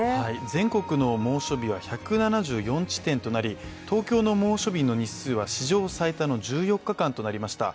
全国の猛暑日は１７４地点となり東京の猛暑日の日数は史上最多の１４日間となりました。